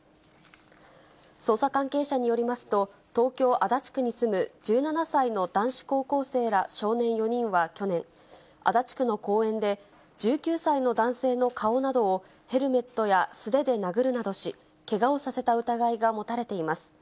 捜査関係者によりますと、東京・足立区に住む１７歳の男子高校生ら少年４人は去年、足立区の公園で、１９歳の男性の顔などをヘルメットや素手で殴るなどし、けがをさせた疑いが持たれています。